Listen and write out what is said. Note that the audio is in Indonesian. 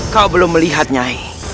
kau belum melihat nyai